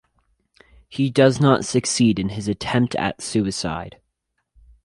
He does not succeed in his attempt at suicide.